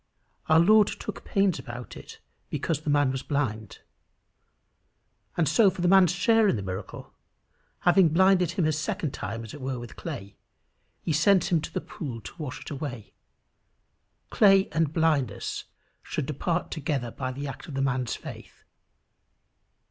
Our Lord took pains about it because the man was blind. And for the man's share in the miracle, having blinded him a second time as it were with clay, he sends him to the pool to wash it away: clay and blindness should depart together by the act of the man's faith.